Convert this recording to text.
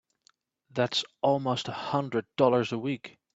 That's almost a hundred dollars a week!